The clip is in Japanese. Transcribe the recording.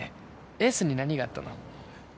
エースに何があったの？